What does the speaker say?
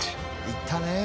「行ったね」